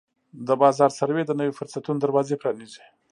د بازار سروې د نویو فرصتونو دروازې پرانیزي.